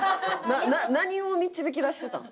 何を導き出してたん？